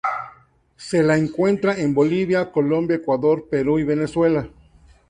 Se la encuentra en Bolivia, Colombia, Ecuador, Perú y Venezuela.